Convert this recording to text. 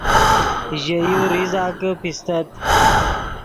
ژے یو ریزہ کہ پیستت